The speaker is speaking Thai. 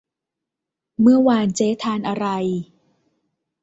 เมื่อวานเจ๊ทานอะไร